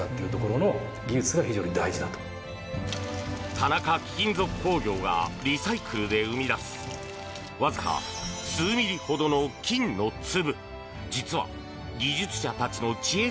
田中貴金属工業がリサイクルで生み出すわずか数ミリほどの金の粒。